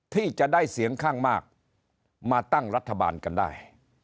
ที่จะได้เสียงข้างมากมาตั้งรัฐบาลกันได้